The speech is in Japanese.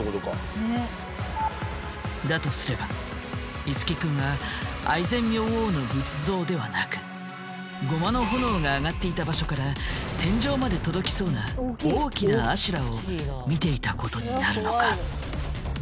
だとすれば樹君は愛染明王の仏像ではなく護摩の炎が上がっていた場所から天井まで届きそうな大きな阿修羅を見ていたことになるのか。